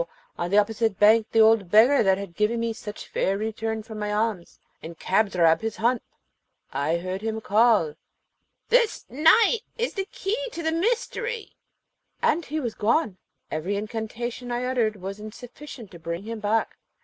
on the opposite bank the old beggar that had given me such fair return for my alms and Kadrab his hump! I heard him call, 'This night is the key to the mystery,' and he was gone. Every incantation I uttered was insufficient to bring him back.